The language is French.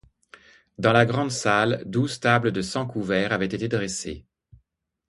Dans la grande salle, douze tables de cent couverts avaient été dressées.